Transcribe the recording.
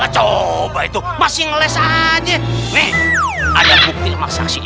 coba itu masih ngeles aja nih ada bukti emak saksi nih